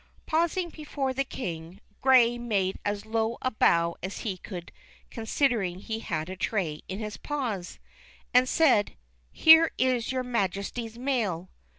Pausing before the King, Gray made as low a bow as he could considering he had a tray in his paws, and said, Here is your Majesty's mail."